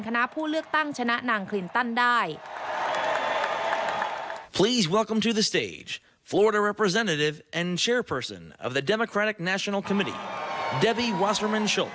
คณะผู้เลือกตั้งชนะนางคลินตันได้